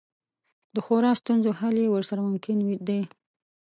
د خورا ستونزو حل یې ورسره ممکن دی.